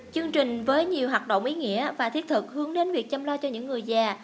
chương trình với nhiều hoạt động ý nghĩa và thiết thực hướng đến việc chăm lo cho những người già